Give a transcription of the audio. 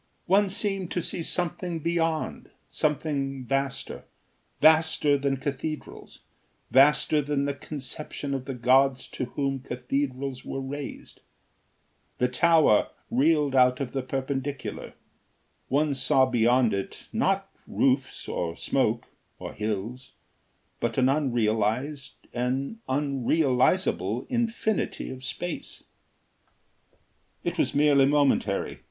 One seemed to see something beyond, something vaster vaster than cathedrals, vaster than the conception of the gods to whom cathedrals were raised. The tower reeled out of the perpendicular. One saw beyond it, not roofs, or smoke, or hills, but an unrealised, an unrealisable infinity of space. It was merely momentary.